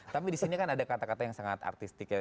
tapi di sini kan ada kata kata yang sangat artistik ya